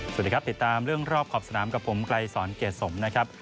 สวัสดีครับติดตามเรื่องรอบขอบสนามกับผมไกลสอนเกรดสมนะครับ